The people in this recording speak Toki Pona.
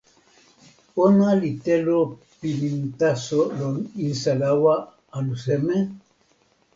ona li telo pilin taso lon insa lawa anu seme?